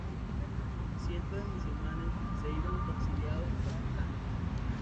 Cientos de musulmanes se iban exiliados a Pakistán.